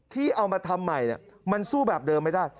ที่เอามาทำใหม่มันสู้แบบเดิมไม่ได้